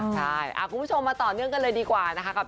ใช่คุณผู้ชมมาต่อเนื่องกันเลยดีกว่านะคะ